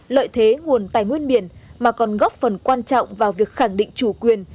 lợi thế nguồn tài nguyên biển mà còn góp phần quan trọng vào việc khẳng định chủ quyền